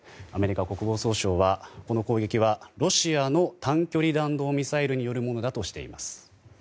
アメリカ国防総省はこの攻撃はロシアの短距離弾道ミサイルによるものだとしています。